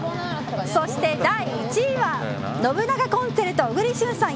そして、第１位は「信長協奏曲」、小栗旬さん